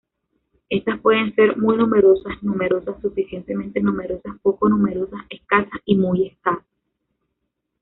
Estas pueden ser: muy numerosas, numerosas, suficientemente numerosas, poco numerosas, escasas y muy escasas.